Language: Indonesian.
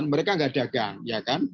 mereka nggak dagang